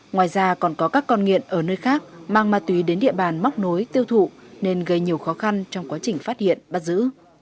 ngoài ra còn có các con nghiện ở nơi khác mang ma túy đến địa bàn móc nối tiêu thụ nên gây nhiều khó khăn trong quá trình phát hiện bắt giữ